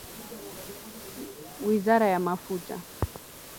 Wizara ya Mafuta